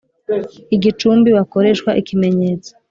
igicumbi bakoreshwa ikimenyetso